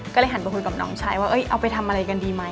ก็เลยหันไปคุยกับน้องชายว่าเอาไปทำอะไรกันดีไหม